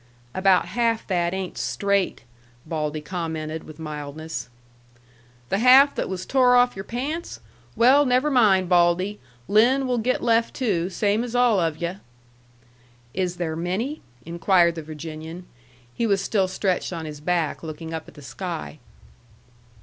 "About half that ain't straight," Baldy commented, with mildness. "The half that was tore off yer pants? Well, never mind, Baldy; Lin will get left too, same as all of yu'." "Is there many?" inquired the Virginian. He was still stretched on his back, looking up at the sky.